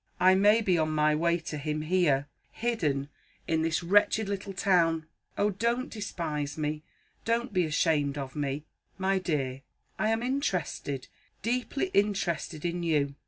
I may be on my way to him here, hidden in this wretched little town. Oh, don't despise me! Don't be ashamed of me!" "My dear, I am interested deeply interested in you.